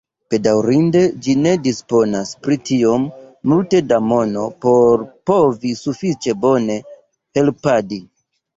Bedaŭrinde, ĝi ne disponas pri tiom multe da mono por povi sufiĉe bone helpadi.